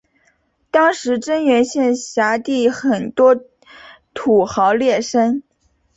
当时真源县辖地很多土豪劣绅。